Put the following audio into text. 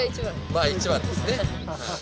まあ一番ですね。